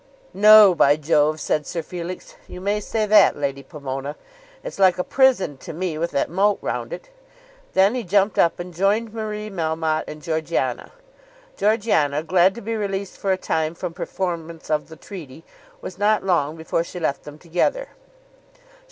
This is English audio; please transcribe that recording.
"No, by Jove," said Sir Felix, "you may say that, Lady Pomona. It's like a prison to me with that moat round it." Then he jumped up and joined Marie Melmotte and Georgiana. Georgiana, glad to be released for a time from performance of the treaty, was not long before she left them together.